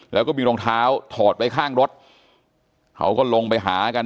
แล้วก็มีรองเท้าถอดไว้ข้างรถเขาก็ลงไปหากัน